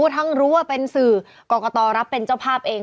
ทั้งรู้ว่าเป็นสื่อกรกตรับเป็นเจ้าภาพเอง